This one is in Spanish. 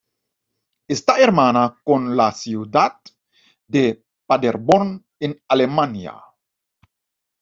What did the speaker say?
Está hermana con la ciudad de Paderborn, en Alemania.